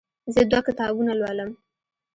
زه دوه کتابونه لولم.